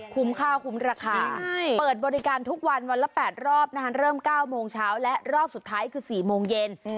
ข้าวคุ้มราคาเปิดบริการทุกวันวันละ๘รอบเริ่ม๙โมงเช้าและรอบสุดท้ายคือ๔โมงเย็น